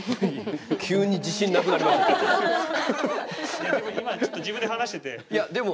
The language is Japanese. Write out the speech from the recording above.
いや、でも今ちょっと自分で話してて。